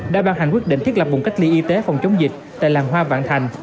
đã ban hành quyết định thiết lập vùng cách ly y tế phòng chống dịch tại làng hoa vạn thành